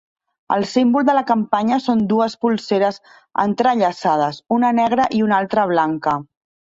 El símbol de la campanya són dues polseres entrellaçades, una negra i una altra blanca.